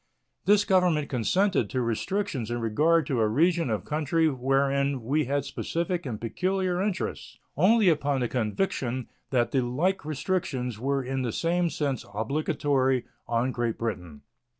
This Government consented to restrictions in regard to a region of country wherein we had specific and peculiar interests only upon the conviction that the like restrictions were in the same sense obligatory on Great Britain.